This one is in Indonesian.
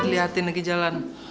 siatin lagi jalan